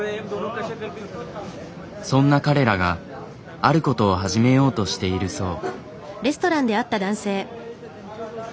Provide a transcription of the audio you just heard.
そんな彼らがあることを始めようとしているそう。